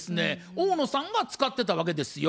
大野さんが使ってたわけですよ。